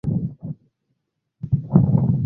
Mwizi huyo alifungwa kifungo cha miaka mitano.